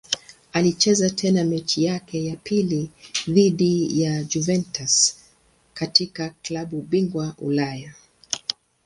Alicheza tena mechi yake ya pili dhidi ya Juventus katika klabu bingwa Ulaya.